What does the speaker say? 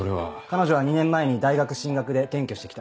彼女は２年前に大学進学で転居して来た。